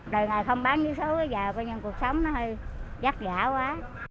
đời ngày không bán vé số bây giờ bây giờ cuộc sống nó hơi giắc dã quá